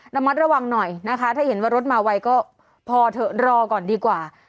ระมัดระวังหน่อยนะคะถ้าเห็นว่ารถมาไวก็พอเถอะรอก่อนดีกว่า